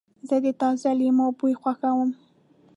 زه د تازه لیمو بوی خوښوم.